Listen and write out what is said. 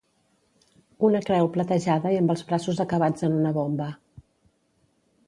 Una creu platejada, i amb els braços acabats en una bomba.